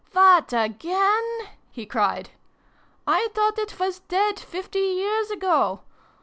"What, again ?" he cried. " I thought it was dead, fifty years ago